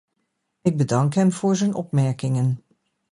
Ik bedank hem voor zijn opmerkingen.